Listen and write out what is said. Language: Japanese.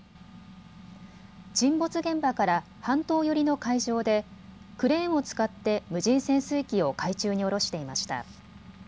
沈没現場から半島寄りの海上でクレーンを使って無人潜水機を海中に下ろしていました。